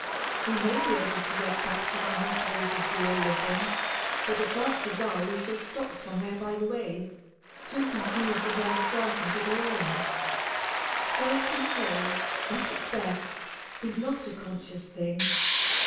We may be able to work back from our mottoes to real living, but the chances are we shall stop somewhere by the way, too confused and uncertain to go on. Self control, at its best, is not a conscious thing.